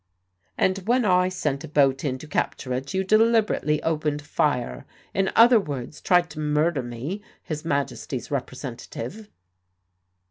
"And when I sent a boat in to capture it, you deliberately opened fire; in other words, tried to murder me, His Majesty's representative."